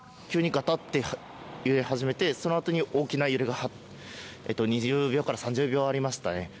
急にがたって揺れ始めて、そのあとに大きな揺れが、２０秒から３０秒ありましたね。